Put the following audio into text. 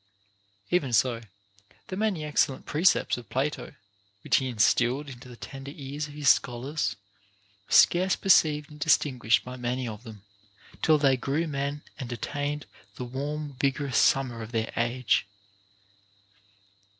Even so, the many excellent precepts of Plato, which he instilled into the tender ears of his scholars, were scarce perceived and distinguished by many of them, till they grew men and attained the warm vigorous summer of their age.